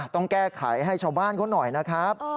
ต้องแก้ไขให้ชาวบ้านเขาหน่อยนะครับ